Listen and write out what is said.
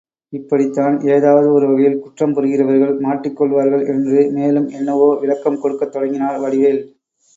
இப்படித்தான் எதாவது ஒரு வகையில் குற்றம் புரிகிறவர்கள் மாட்டிக்கொள்வார்கள் என்று மேலும் என்னவோ விளக்கம் கொடுக்கத் தொடங்கினார் வடிவேல்.